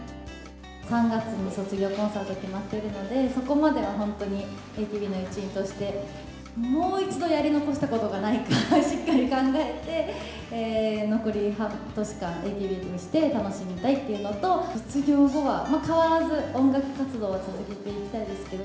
３月に卒業コンサート決まっているので、そこまでは本当にＡＫＢの一員として、もう一度やり残したことがないかしっかり考えて、残り半年間、ＡＫＢとして楽しみたいっていうのと、卒業後は、変わらず音楽活動を続けていきたいですけど。